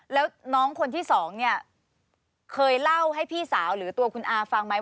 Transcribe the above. แล้วน้องคนที่สองเนี่ยเคยเล่าให้พี่สาวหรือตัวคุณอาฟังไหม